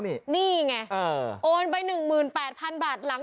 นี่ไงโอนไป๑๘๐๐๐บาท